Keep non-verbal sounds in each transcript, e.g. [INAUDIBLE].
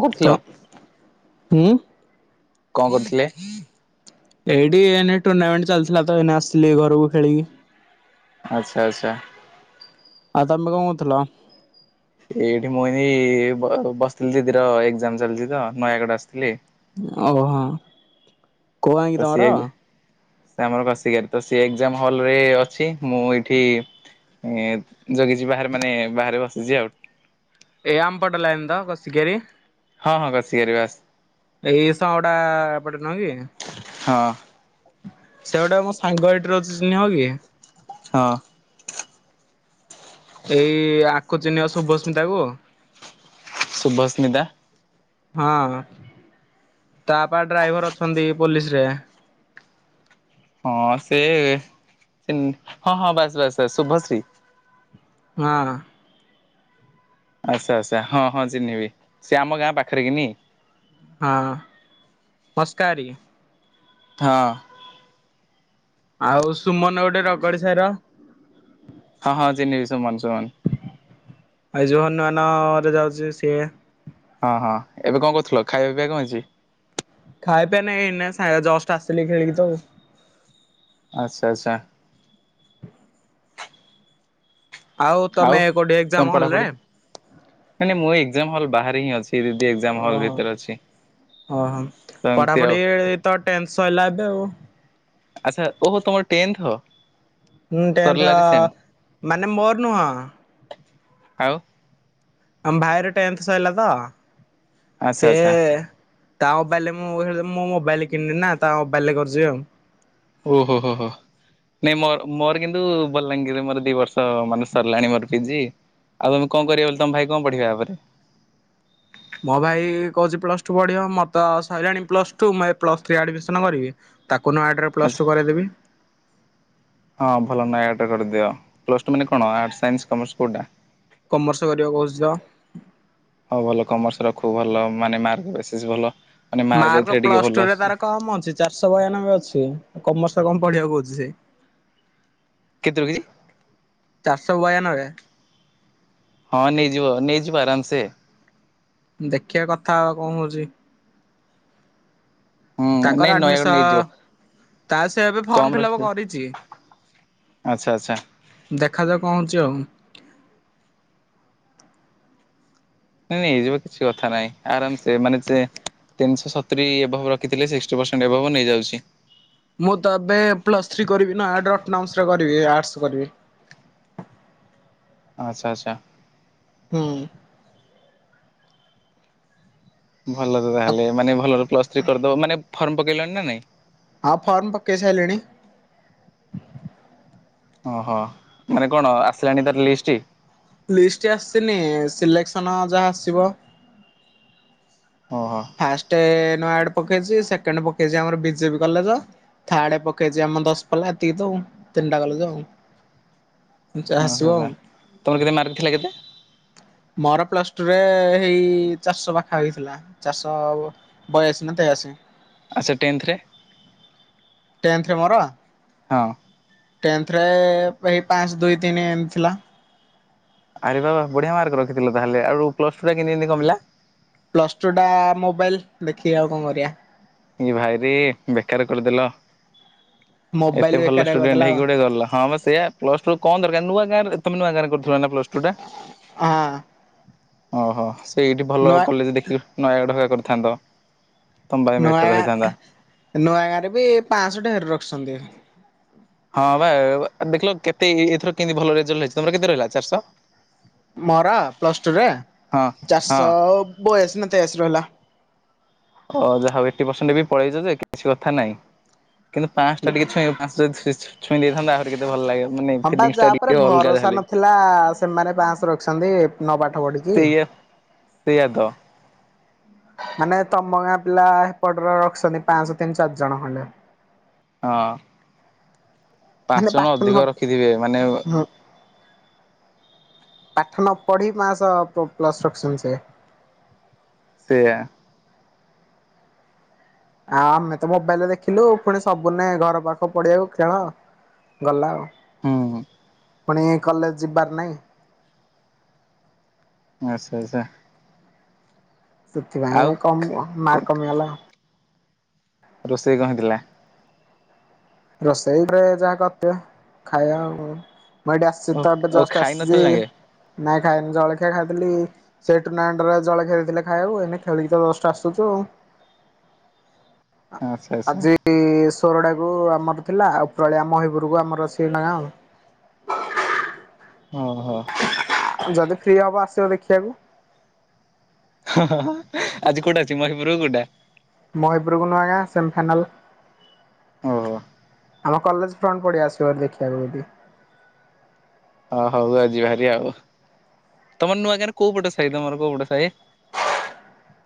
କହୁଥିଲ ଉଁ କଣ କରୁଥିଲେ? ଏଇଠି ଏଇନେ ଟୁର୍ଣ୍ଣାମେଣ୍ଟ ଚାଲିଥିଲା ତ ଏଇନେ ଆସିଲି ଘରକୁ ଖେଳିକି। [INAUDIBLE] ଆଚ୍ଛା ଆଚ୍ଛା। ଆଉ ତମେ କଣ କହୁଥିଲ? ଏଇଠି ମୁଁ ଏନି ବସିଥିଲି ଦିଦିର ଏକ୍ଜାମ ଚାଲିଛି ତ ନୟାଗଡ଼ ଆସିଥିଲି। ଅବ ହଁ। କୋଉ ଗାଁ ତ ଙ୍ଗି ସିଏ ତମର? ସେ ଆମର [UNINTELLIGIBLE] ତ ସେ ଏକ୍ଜାମ ହଲ ରେ ଅଛି ମୁଁ ଏଇଠି ଜଗିଛି ବାହାରେ ମାନେ ବାହାରେ ବସିଛି ଆଉ। ଏଇ ଆମପଟ ଲାଇନ ତ କସିି କିଆରୀ ହଁ ହଁ କଶିକାରି ବାସ। ଏଇସଡା ଏପଟେ ନୁହଁ କି? ହଁ। ସେ ଗୋଟେ ମୋ [UNINTELLIGIBLE] ହଁ। ଏଇ ଆକୁ ଚି଼ନ୍ନିବ ଶୁଭସ୍ମିତାକୁ? ସୁଭସ୍ମିତା? ହଁଅ [INAUDIBLE] ତା ବାପା ଡ୍ରାଇଭର ଅଛନ୍ତି ପୋଲିସ ରେ। ହଁ ସେ ଚିନ୍ନି। ହଁ ହଁ ବାସ ବାସ ବାସ ଶୁଭଶ୍ରୀ? ହଁ ହଁ। ଆଚ୍ଛା ଆଚ୍ଛା ହଁ ହଁ ଚିହ୍ନିବି ସେ ଆମ ଗାଁ ପାଖରେ କିନି। ହଁଅ ମସ୍କାରୀ। ହଁ। [INAUDIBLE] ଆଉ ସୁମନ ଗୋଟେ ରଗଡି ସାଇର? ହଁ ହଁ ଚିନ୍ହିବି ସୁମନ ସୁମନ ଆଇ ଯୋଉ ହନୁମାନ ନଅ ରେ ଯାଉଚି ସିଏ? ହଁ ହଁ ଏବେ କଣ କରୁଥିଲ? ଖାଇବା ପିଇବା କଅ ହେଇଚି? ଖାଇଆ ଏନେଇ ଏକନାଇଁ ଏଇନା ସା ଜଷ୍ଟ ଆସିଲି ଖେଳିକି ତ ଆଉ। ଚ୍ଛା ଛା ଆଉ ତମେ କୋଉଠି ତମ ଏକଜାମ ହଲରେ? ଏକଜାମ ହଲ ବାହାରେ ହିଁ ଅଛି। ଦିଦି ଏକ୍ଜାମ ହଲ୍ ଓହୋ ଭିତରେ ଅଛି ଓହୋ ତ ଏମିତି ଆଉ ପଢାପଢି ତ ଟେନ୍ଥ ସଇଲା ଏବେ ଆଉ। ଆଚ୍ଛା ଓହ ତମର ଟେନ୍ଥ ହବ? ହଁ ଟେନ୍ଥ ଅ ମାନେ ମୋର ନୁହଁ। ଆଉ? ଆମ ଭାଇର ଟେନ୍ଥ ସଇଲା ତ ଆଚ୍ଛା ସେଏ ଆଚ୍ଛା ତା ମୋବାଇଲ ରେ ମୁଁ ମୁଁ ମୋବାଇଲ କିଣିନି ନା ତା ମୋବାଇଲ ରେ କରୁଚି ଆଉ। ଓହୋ ହୋ ହୋ ନାଇଁ ମୋର ମୋର କିନ୍ତୁ ବଲାଙ୍ଗୀରରେ ମୋର ଦି ବର୍ଷ ମାନେ ସରିଲାଣି ମୋର ପିଜି। ଆଉ ତମେ କଅ କରବ ବୋଲି ତମ ଭାଇ କଅ ପଢିବେ ଆ ପରେ? ମୋ ଭାଇ କହୁଛି ପ୍ଲସ ଟୁ ପଢିବ ମତ ସରିଲାଣି ପ୍ଲସ ଟୁ। ମୁଁ ଏଇ ପ୍ଲସଥ୍ରୀ ଆଡମିସନ କରିବି। କଉନ ଆଟ ରେ ପ୍ଲସ୍ ଆଚ୍ଛା ଟୁ କରେଇଦେବି। ହଁ ଭଲ ନୟାଗଡ ରେ କରିଦିଅ। ପ୍ଲସ ଟୁ ମାନେ କଣ ଆଟ ସାଇନ୍ସ କମର୍ସ କୋଉଟା? କମର୍ସ କରିବାକୁ କହୁଛି ତ ହୋଉ ଭଲ ମାନେ ମାର୍କ ବେସିସ୍ ଭଲ। ମାନେ ମାର୍କ ଏଥିରେ ଟିକେ ପ୍ଲସ ଭଲ ଟୁ ରେ ଆସୁଛି ତାର କମ ଅଛି। ଚାରିଶ ବୟାନବେ ଅଛି। କମର୍ସରେ କଅ ପଢିବାକୁ କହୁଛି ସେ? କେତେ ରଖିଚି? ଶଅ ବୟାନବେ ହଁ ନେଇଯିବ ନେଇଯିବ ଆରାମସେ। ଦେଖିବା କଥା ହବା କଅ ହୋଉଚି। ହୁଁ ତାଙ୍କର ନାଇଁ ନୟାଗଡ଼ ଆଡମିସନ ନେଇଯିବ ତା ସେ ଏବେ କମ୍ ଫର୍ମ ଫିଲ୍ଅପ ରଖିବ। କରିଛି ଆଚ୍ଛା ଆଚ୍ଛା ଦେଖାଯାଉ କଣ ହୋଉଛି ଆଉ। ନ ନାଇଁଇଯିବ କିଛି କଥା ନାହିଁ ଆରାମ ସେ ମାନେ ତିନିଶହ ସତୁରି ଏଭବ ରଖିଥିଲେ ସିକ୍ଟୀ ପର୍ସେଣ୍ଟ ଏଭବ ନେଇ ଯାଉଛି। ମୁଁ ତ ଏବେ ପ୍ଲସ ଥ୍ରୀ କରିବି ନୟାଗଡ଼ ଅଟୋନମସ କରିବି ଆର୍ଟସ କରିବି। ଆଚ୍ଛା ଆଚ୍ଛା। ହୁଁ। ଭଲ ତ ତାହେଲେ ମାନେ ଭଲରେ ପ୍ଲସ୍ ଥ୍ରୀ କରିଦବ ମାନେ। ଫର୍ମ ପକେଇଲଣି ନା ନାଇଁ? ହଁ ଫର୍ମ ପକେଇ ସାଇଲିଣୀ? ଓହୋ ମାନେ କଣ ଆସିଲାଣି ତାର ଲିଷ୍ଟ? ଲିଷ୍ଟ ଆସିନି ସିଲେକ୍ସନ ଯାହା ଆସିବ। ଓହୋ ଫାଷ୍ଟେ ନୟାଗଡ ପକେଇଛି ସେକେଣ୍ଡ ପକେଇଛି ଆମର ବିଜେପି କଲେଜ ଥାର୍ଡ ପକେଇଛି ଆମ ଦଶ ପଲ୍ଲା ଏତିକି ତ ଆଉ ତିନିଟା କଲେଜ ଆଉ। ହ ଯାହା [UNINTELLIGIBLE] ଆସିବ ଆଉ। ତମର କେତେ ମାରିଥିଲା କେତେ? ମୋର ପ୍ଲସ ଟୁରେ ହେଇ ଚାରିଶ ପାଖା ପାଖି ଥିଲା ଚାରିଶ ବୟାଅଶୀ ନା ତେୟାଅଶୀ। ଆଚ୍ଛା ଟେନ୍ଥ ରେ? ଟେନ୍ଥରେ ମୋର? ହଁ। ଟେନ୍ଥ ରେ ଏଇ ପାଆଁଶ ଦୁଇ ତିନି ଏମତି ଥିଲା। ଆରେ ବାବା ବଢିଆ ମାର୍କ ରଖିଥିଲ ତାହେଲେ ଆଉ ପ୍ଲସ ଟୁ ରେ କେମିତି ଏମିତି କମିଲା। ପ୍ଲସ ଟୁ ଟା ମୋବାଇଲ ଦେଖିକି ଆଉ କଣ କରିଆ। ଏ ଭାଇରେ ବେକାର କରିଦେଲ। ଏତେ ମୋବାଇଲ ଭଲ ବେକାରିଆ ଷ୍ଟୁଡେଣ୍ଟ କରିଦେଲା ହେଇକି ଆଉ। ଗୋଟେ ଧରିଲ ହଁ ବା ସେଇଆ ପ୍ଲସ ଟୁ କଣ ଦରକାର ନୂଆ ଗାଁରେ ତମେ ନୂଆ ଗାଁରେ କରୁଥିଲ ନା ପ୍ଲସ ଟୁ ଟା? ହଁ। ଓହୋ। ସେଇଠି ଭଲ ନୂଆ କଲେଜ ଦେଖି ନୟାଗଡରେ କରି ଥାନ୍ତ। ତମ ପାଖେ ମେ ନୂଆ ଗାଁ ନୂଆ ଗାଁରେ ବି ପାଞ୍ଚଶହ ଟେ ରଖିଛନ୍ତି। ହଁ ବା ଦେଖିଲ କେତେ ଏଥର କେମତି ଭଲ ରେଜଲ୍ଟ ହେଇଛି ତମର କେତେ ରହିଲା ଚାରିଶ ମୋର ପ୍ଲସ ଟୁରେ ହଁ ହଁ ଚାରିଶହ ବୟାଅଶି ନା ତେୟାଅଶି ରହିଲା। ଓ ଯାହା ଫିଫ୍ଟି ପରସେଣ୍ଟ ବି ପଳେଇଛ ଯେ କିଛି କଥା ନାଇଁ କିନ୍ତୁ ପାଆଁଶ ଟା ଟିକେ ଛୁଇଁ ଆକୁ ପାଆଁଶ ଟା ଯଦି ଛୁଇଁ ଦେଇଥାଆନ୍ତ ଆହୁରି କେତେ ଭଲ ଲାଗେ ମାନେ ହଁ ବା ଫିଲିଂସ ଟା ଯାହା ଉପରେ ଟିକେ ଅଲଗା ଯାହା ଭରସା ହେଲେ ବି ନଥିଲା ସେମାନେ ପାଞ୍ଚଶହ ରଖିଛନ୍ତି ନ ପାଠ ପଢିକି। ସେଇୟା ସେଇୟା ତ। ମାନେ ତମ ଗାଁ ପିଲା ସେପଟରେ ରଖିଛନ୍ତି ପାଆଁଶ ତିନି ଚାରି ଜଣ ଖଣ୍ଡେ। ହଁ। ପାଞ୍ଚ ମାନେ ଜଣ ପାଠ ନ ଅଧିକ ରଖିଥିବେ ମାନେ ହୁଁ ପାଠ ନ ପଢି ପାଆଁଶ ପ୍ଲସ ରଖିଛନ୍ତି ସେ। ସେୟା। ଆ ଆମେ ତ ମୋବାଇଲରେ ଦେଖିଲୁ ପୁଣି ସବୁଦିନେ ଘର ପାଖ ପଡିଆକୁ ଖେଳ ଗଲା ଆଉ। ହୁଁ ହୁଁ। ପୁଣି କଲେଜ ଯିବାର ନାହିଁ। ଆଚ୍ଛା ଆଚ୍ଛା। ଆଉ ସେଥିପାଇଁ କମ ମାର୍କ କମିଗଲା। ରୋଷେଇ କଣ ହେଇଥିଲା? ରୋଷେଇ ରେ ଯାହା କରିଦିଅ ଖାଇବା ଆଉ କଣ? ମୁଁ ଏଇଠି ଆସିଛି ଓ ତ ଏବେ ଓ ଜଷ୍ଟ ଖାଇ ଆସିଛି ନଥିଲ ନାକେ ନାଇଁ ଖାଇନି ଜଳଖିଆ ଖାଇଥିଲି ସେ ଟୁର୍ଣ୍ଣାମେଣ୍ଟରେ ଜଳଖିଆ ଦେଇଥିଲେ ଖାଇବାକୁ ଏଇନେ ଖେଳିକି ତ ଜଷ୍ଟ ଆସୁଛୁ ଆଉ। ଆଚ୍ଛା ଆଚ୍ଛା ଆଜି ଘରଡାକୁ ଆପ ଆମର ଥିଲା ଆଉ ଓପରଓଳି ଆମ ମହିପୁରକୁ ଆମର ସିଏନା ଗାଁ। ଓହୋ। ଯଦି ଫ୍ରି ହବ ଆସିବ ଦେଖିବାକୁ। ଓ ହ ଆଜି କୋଉଟା ଅଛି ମହିପୁର କ କୋଉଟା? ମହିପୁର କୁ ନୂଆଗାଁ ସେମି ଫାଇନାଲ୍ । ଓ ହୋ। ଆମ କଲେଜ ଫ୍ରଣ୍ଟ ପଡିଆ ଆସିବ ଦେଖିବାକୁ ଯଦି। ହଁ ହଁ ହଉ ଆଜି ଭାରି ଆଉ ତମର ନୂଆ ଗାଁ କୋଉ ପଟେ ସାହି ତମର କୋଉ ପଟ ସାହି।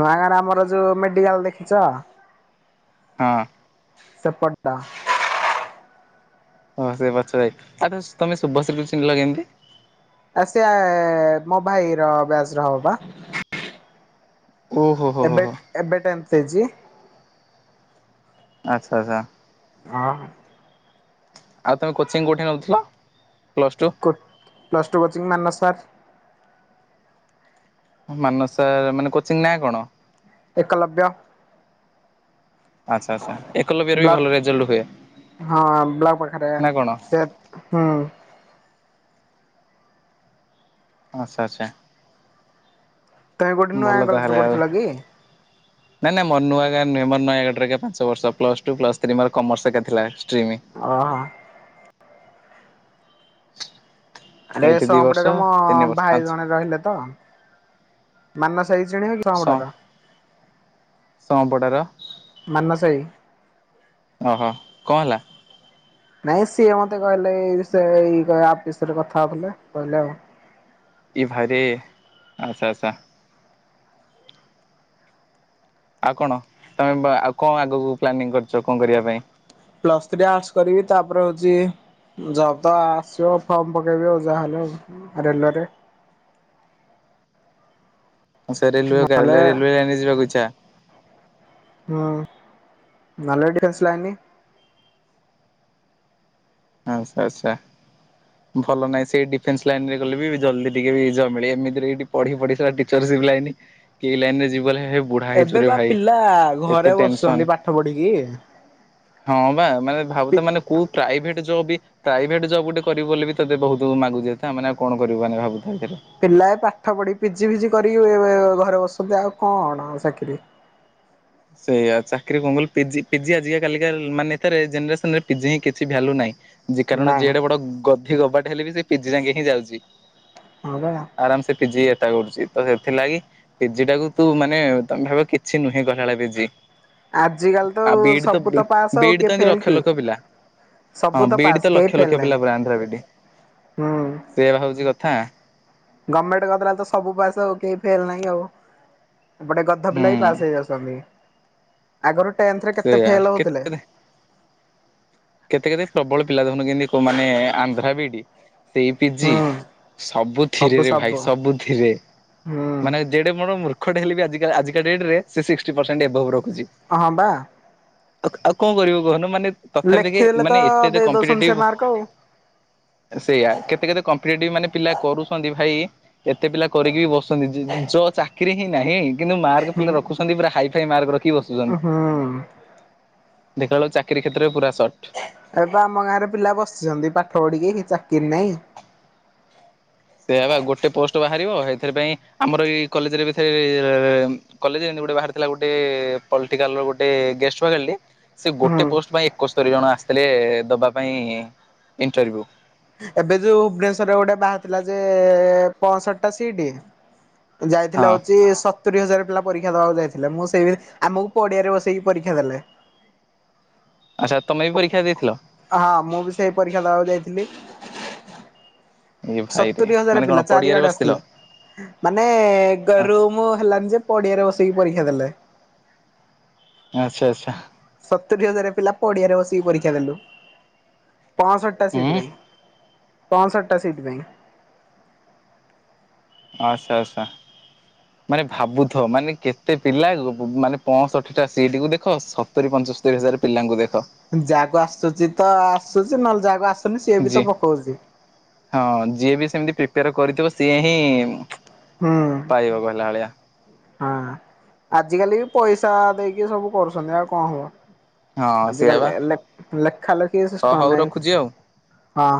ନୂଆଗାଁ ରେ ଆମର ଯୋଉ ମେଡିକାଲ ଦେଖିଛ ହଁ ସେପଟ ଟା। ହଁ ସେ ପଛ ଯାଇ ଆରେ ତମେ ଶୁଭଶ୍ରୀ କୁ ଚିହ୍ନିଲ କେମିତି? ଆ ସେ ମୋ ଭାଇର ବାଞ୍ଚର ହବ ବା। ଓହୋ ହୋ ହୋ ଏବେ ହୋ ଏବେ ଟେନ୍ ଥ। ତେଜି ଆଚ୍ଛା ଆଚ୍ଛା। ହଁ। ଆଉ ତମେ କୋଚିଂ କୋଉଠି ନଉଥିଲ। Plus two plus two coaching Manas sir. Manas sir ମାନେ କୋଚିଂ ନା କଣ? ଏକଲବ୍ୟ। ଆଚ୍ଛା ଆଚ୍ଛା ଏକଲବ୍ୟରେ ବି ଭଲ ରେଜଲ୍ଟ ହୁଏ ବ୍ଲକ ହଁ ବ୍ଲକ ପାଖରେ ନା କଣ? ସେ ହୁଁ। ଆଚ୍ଛା ଆଚ୍ଛା। ତୁମେ ଗୋଟେ ଭଲ ନୂଆଗାଁ କଲେଜରେ ତାହେଲେ ଆଉ ପଢୁଥିଲ କି? ନାଇଁ ନାଇଁ ମ ନୂଆଗାଁ ରେ ନାଇଁ ମର ନୟାଗଡ଼ରେ ଏକା ପାଞ୍ଚ ବର୍ଷ ପ୍ଲସ ଟୁ ପ୍ଲସ ଥ୍ରୀ ମୋର କମର୍ସ ଏକା ଥିଲା। ଷ୍ଟ୍ରିମ୍। ଓ ହୋ। [INAUDIBLE] ଆରେ ଏଇଠି ଦି ବର୍ଷ ସମ୍ପଡ଼ା ରେ ମୋ ତିନି ବର୍ଷ ଭାଇ ପାଞ୍ଚ ଜଣେ ରହିଲେ ତ। ମାନସ। ସେଇ ସିନି ସ ସମ୍ପଡା ର। ସଂପଡାର ମାନସ ଭାଇ। ଓହୋ କଣ ହେଲା? ନାଇଁ ସିଏ ମତେ କହିଲେ ଏଇ ଏଇ ଆପ ବିଷୟରେ କଥା ହଉଥିଲେ କହିଲେ ଆଉ। ଏଇ ଭାଇରେ ଆଚ୍ଛା ଆଛା । ଆଉ କଣ ତମେ ଆଉ କଣ ଆଗକୁ ପ୍ଲାନିଂ କରୁଛ କଣ କରିବା ପାଇଁ। ପଲାସ ଥିରୀ ଆର୍ଟ କରିବି ତାପରେ ହଉଛି ଜବ ତ ଆସିବ ଫର୍ମ ପକେଇବି ଆଉ ଯାହାହଲେ ରେଲୱେ ରେ। ହଁ ସେ ରେଲୱେ କାର ରେଲୱେ ଲାଇନ ଯିବାକୁ ଇଛା। ହୁଁ ହେଲ ଡିଏସ ଲାଇନ୍ ଆଛା ଆଛା ଭଲ ନାଇଁ ସେଇ ଡିଫେନ୍ସ ଲାଇନ ରେ ଗଲେ ବି ଜଲଦି ଟିକେ ବି ମିଳେ ଏମିତିରେ ଏଇ ପଢ଼ି ପଢ଼ି ସଲା ଟିଚର ଶିପ ଲାଇନ କି ଏଇ ଲାଇନ ରେ ଯିବ ବୋଲେ । ଏବେ ବା ପିଲା ଘରେ ଟେନସନ୍। ବସୁଛନ୍ତି ପାଠ ପଢିକି। ହଁ ବା। ମାନେ ଭାବୁ ଥା ମାନେ କୋଉ ପ୍ରାଇଭେଟ ପ୍ରାଇଭେଟ ଜବ୍ ଗୋଟେ କରିବ ବୋଲି ବି ତତେ ବହୁତ ମାଗୁ ଯାଇଥାଏ ମାନେ ଆଉ କଣ କରିବୁ ମାନେ ଭାବୁଛୁ। ପିଲା ଏ ପାଠ ପଢି ପିଜି ଫିଜି କରି [UNINTELLIGIBLE] ଘରେ ବସଧ ଆଉ କଣଣା ଚାକିରି [UNINTELLIGIBLE] ସେଇଆ ଚାକିରି କଣ କ ପିଜି ଆଜା କାା ମାନେ ଜେନରେସାନରେ ପିଜି ହଁ କିଛି ଭ୍ୟାଲୁ ନାହିଁ। କାରଣ ନାଇଁ ଯିଡା ବଡ [UNINTELLIGIBLE] କବାଟ ହେଲେ ବି ସେ ପିଜି ସାଙ୍ଗରେ ହିଁ ଯାଉଛି। ହଁ ବା। ଆରାମ ସେ ପିଜି କରୁଛି ତ ସେଥିଲାଗି ପିଜି ଟାକୁ ତୁ ମାନେ ତମେ ଭାବ କିଛି ନୁହେଁ କ ନଳ ବିଜି [UNINTELLIGIBLE] ଆଜି କାଲି ତ ସବୁ ତ ପାସ୍ ଆଉ ବିଇଡି ତ କି ଏମିତି ଫେଲ ଲକ୍ଷ କି ଲକ୍ଷ ପିଲା ହଁ ସବୁ ତ ବିଇଡି ପାସ୍ କେହି ଲକ୍ଷ ଲକ୍ଷ ଫେଲ ପିଲା ପୁରା ଆନ୍ଧ୍ରା ବିଇଡି। ନାହିଁ ହୁଁ। ନା ଗଭର୍ଣମେଣ୍ଟ କରିଦଲେ ସବୁ ପାସେ ଆଉ କେହି ଫେଲ ନାହିଁ ଆଉ। ଏପଟେ ଗଧ ହୁଁ ପିଲା ବି ପାସ ହେଇ ଯାଉଛନ୍ତି। ଏଗାରା [UNINTELLIGIBLE] ଟନ୍ଥରେ କେତେ ସେଇଆ ଫେଲ ହଉଥିଲେ। କେତେ କେତେ କେତେ ପ୍ରବଳ ପିଲା ଦେଖନୁ କେମତି ମାନେ ଆନ୍ଧ୍ରା ବିଇଡି ସେଇ ପିଜି ହୁଁ ସବୁ ସବୁଥିରେରେ ଭାଇ ସବୁ ସବୁଥିରେ ହୁଁ ମାନେ ଯେଡେ ମୋର ମୂର୍ଖ ଢେ ହେଲି ବି ଆ ଆ ଆଜିକା ଦେଟ୍ ରେହ ସେ ସ୍ଟି ପରସଣ୍ଟ ଏଭାବ ର ହ ବା। ଆଉ କଣ କରିବ କହନ ମାନେ [UNINTELLIGIBLE] ତଥାପି ଦେଖ ଲେଖିଦେଲେ ତ ମାନେ ଏତେ ଦେଇ ଦଉଛନ୍ତି ଏତେମ୍େଟି ସେ ମାର୍କ ଆଉ। ସେଇୟଆ କେତେ କେତେ ଏ ମାନେ ପିଲା କରୁଛନ୍ତି ଭାଇ ଏତେ ପିଲା କରିକି ବି ବସଛନ୍ତି ଯ ଚାକିରରି ହିଁ ନାହିଁ। କିନ୍ତୁ ମାର୍କ ପିଲା ରଖୁଛନ୍ତି ପୁରା ହାଇ ଫାଇ ମାର୍କ ରଖି ବସୁଛନ୍ତି। ହୁଁ ଦେଖବେଳ ଚାକିୀ କ୍ଷେତରେୁରା ଷଟ ଏବେ ଆମ ଗାଁରେ ପିଲା ବସିଛନ୍ତି ପାଠ ପଢିକି ଚାକିରି ନହିଁ। ସେ ଗୋଟେ ପୋଷ୍ଟ ବାହାରିବ ଏଥିାଇ ଆମର ଏଇ କଲେରେ କଲେରେତିଟ ବାହାରଥିଲା ଗୋଟେ ପଟ ଗୋଟେ ଗେଷ୍ଟ ବାହାରିଲି ସେ ହୁଁ ଗୋଟେ ପୋଷ୍ଟ ପାଇଁ ଏକସ୍ତରୀ ଜଣ ଆସିଥିଲେ ଦବା ପାଇଁ ଇଣ୍ଟରୁଭିଉ । ଏବେ ଯୋଉ ଭୁବନେଶ୍୍ୱରରେ ଗୋଟେ ବାହାରିଥିଲା ଯେ ପଞ୍ଚଷଠି ଟା ସିଟ। ଯାଇଥିଲା ହଁ ହଉଛି ସତ ତୁରି ହଜାର ପିଲା ପରୀକ୍ଷା ଦବାକୁ ଯାଇଥିଲେ ମୁଁ ସେଇ ଆମକୁ ପଡିଆରେ ବସେଇକି ପରୀକ୍ଷା ଦେଲେ। ଆଚ୍ଛା ତମେ ବି ପରୀକ୍ଷା ଦେଇଥିଲ? ହଁ ମୁଁ ବି ସେଇ ପରୀକ୍ଷା ଦେବାକୁ ଯାଇଥିଲି। ଏ ଭାଇରେ ସତୁରି ହଜାର ମାନେ କଣ ପିଲା ପଡିଆରେ ଚାରିଆଡେ ବସିଥିଲ ଆସିଥିଲେ ମାନେ ଗରୁ ମୁ ହେଲାନି ଯେ ପଡିଆରେ ବସେଇିକି ପରୀକ୍ଷା ଦେଲେ। [INAUDIBLE] ଆଚ୍ଛା ଆଚ୍ଛା। ସତୁରିୀ ହଜାର ପିଲା ପଡିଆରେ ବସିକି ପରୀକ୍ଷା ଦେଲୁ। ପଅଷଠିଟା ହୁଁ ସିଟ୍ ପାଇଁ ପଅଷଠିଟା ସିଟ ପାଇଁ ଆଚ୍ଛା ଆଚ୍ଛା ମାନେ ଭାବୁଥ ମାନେ କେତେ ପିଲା ମାନେ ପଞ୍ଚଷଠି ଟା ସିଟିକୁୁ ଦେଖ ସତୁରିୀ ପଞ୍ଚସ୍ତରୀ ହଜାର ପିଲାଙ୍କୁ ଦେଖ ଯାହାକୁ ଆସୁଚି ତ ଆସୁଛି ନହେଲେ ଯାହାକୁ ଆସୁ ଯି ହଁ ଯିଏ ବି ସେମିତି କରିଥିବ ସିଏ ହିଁ। ହୁଁ। ପାଇବା କହିଲା ଭଳିଆ ହଁ ଆଜିକାଲି ବି ପଇସା ଦେଇକି ସବୁ କରୁଛନ୍ତି ଆଉ କଣ ହବ। ହଁ ସେଇଆ ଆଜିିକାଲି ବା ହେଲେ। ଲେ ଖାଲ କି ହ ସିଷ୍ଟ ହଉ ନାହିଁ ରଖୁଛି ଆଉ। ହଁ।